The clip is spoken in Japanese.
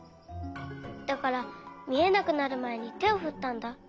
だからみえなくなるまえにてをふったんだ。